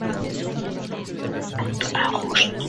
Sin embargo, tuvo unos últimos años difíciles.